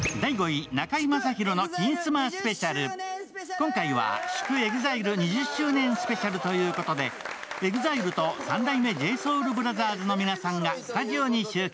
今回は祝ＥＸＩＬＥ２０周年スペシャルということで、ＥＸＩＬＥと三代目ＪＳＯＵＬＢＲＯＴＨＥＲＳの皆さんがスタジオに集結。